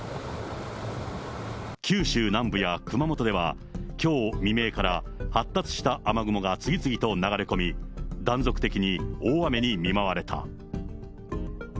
九州南部や熊本では、きょう未明から、発達した雨雲が次々と流れ込み、断続的に大雨に見舞われた。